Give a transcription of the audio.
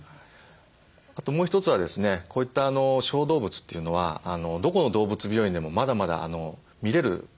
あともう一つはですねこういった小動物というのはどこの動物病院でもまだまだ診れる病院が少ないんですね。